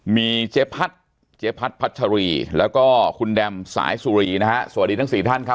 มีเจ๊พัดเจ๊พัดพัชรีแล้วก็คุณแดมสายสุรีนะฮะสวัสดีทั้งสี่ท่านครับ